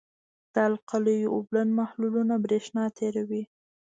د القلیو اوبلن محلولونه برېښنا تیروي.